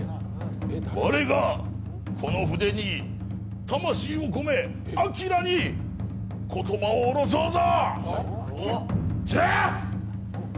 我がこの筆に魂を込め、明にことばを降ろそうぞ。